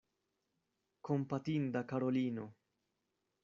Kompatinda Karolino!